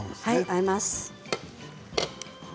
あえます。